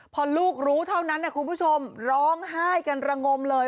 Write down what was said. พอลูกรู้เท่านั้นคุณผู้ชมร้องไห้กันระงมเลย